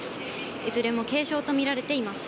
いずれも軽症と見られています。